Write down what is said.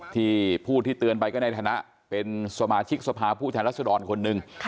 ที่ผู้ที่เตือนไปก็ในฐานะเป็นสมาชิกสภาผู้แทนรัศดรคนหนึ่ง